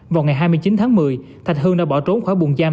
vào ngày hai mươi chín tháng một mươi thạch hưng đã bỏ trốn khỏi buồn giam